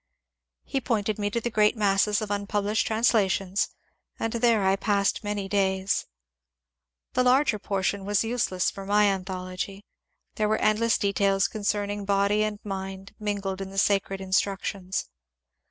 He pointed me to the great masses of unpublished translations, and there I passed many days. The larger portion was useless for my anthology. There were endless details concerning body and mind min gled in the sacred instructions.